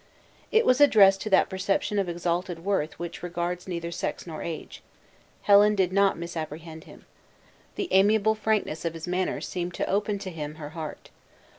It was addressed to that perception of exalted worth which regards neither sex nor age. Helen did not misapprehend him. The amiable frankness of his manner seemed to open to him her heart.